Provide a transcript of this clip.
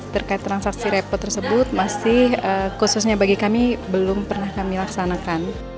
terkait transaksi repot tersebut masih khususnya bagi kami belum pernah kami laksanakan